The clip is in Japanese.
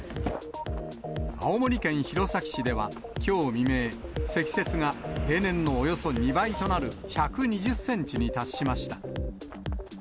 青森県弘前市ではきょう未明、積雪が平年のおよそ２倍となる１２０センチに達しました。